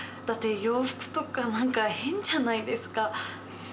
だって洋服とか何か変じゃないですか。